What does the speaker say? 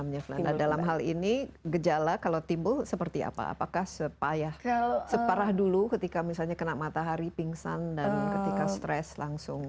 nah dalam hal ini gejala kalau timbul seperti apa apakah separah dulu ketika misalnya kena matahari pingsan dan ketika stres langsung